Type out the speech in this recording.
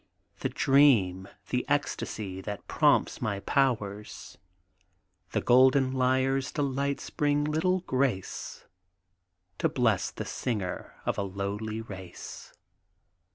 The dream, the ecstasy that prompts my powers; The golden lyre's delights bring little grace To bless the singer of a lowly race.